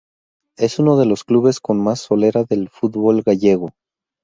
Es uno de los clubes con más solera del fútbol gallego.